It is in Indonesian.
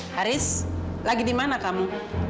haris lagi di mana kamu